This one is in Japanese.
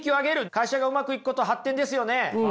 会社がうまくいくこと発展ですよね。